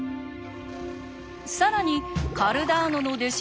更にカルダーノの弟子